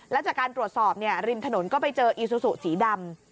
แล้วจากการตรวจสอบริมถนนก็ไปเจออีซูซูสีดำ